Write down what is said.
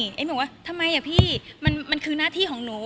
บอกว่าทำไมอ่ะพี่มันคือหน้าที่ของหนู